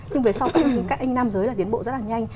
nhưng về sau khi các anh nam giới là tiến bộ rất là nhanh